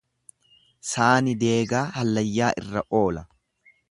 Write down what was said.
Saani deegaa hallayyaa irra oola.